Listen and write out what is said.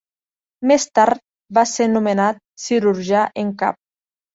Més tard va ser nomenat cirurgià en cap.